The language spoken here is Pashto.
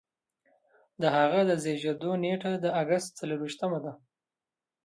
د هغه د زیږیدو نیټه د اګست څلور ویشتمه ده.